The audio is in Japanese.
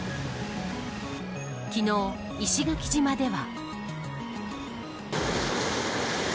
昨日、石垣島では。